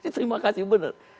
terima kasih benar